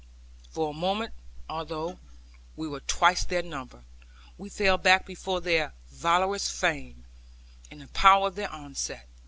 For a moment, although we were twice their number, we fell back before their valorous fame, and the power of their onset.